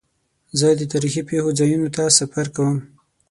زه د تاریخي پېښو ځایونو ته سفر کوم.